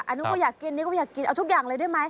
อันนี้ก็อยากกินนี่ก็อยากกินเอาทุกอย่างเลยได้ไหม